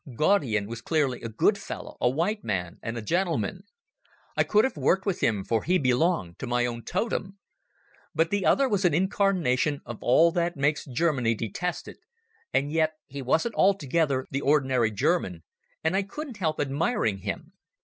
Gaudian was clearly a good fellow, a white man and a gentleman. I could have worked with him for he belonged to my own totem. But the other was an incarnation of all that makes Germany detested, and yet he wasn't altogether the ordinary German, and I couldn't help admiring him.